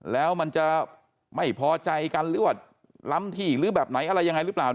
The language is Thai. แล้วมันจะไม่พอใจกันหรือว่าล้ำที่หรือแบบไหนอะไรยังไงหรือเปล่า